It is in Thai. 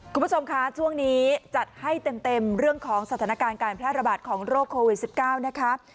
คุณผู้ชมคะช่วงนี้จัดให้เต็มเรื่องของสถานการณ์การแพร่ระบาดของโรคโควิด๑๙นะคะ